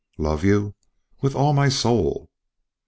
"Love you? With all my soul!"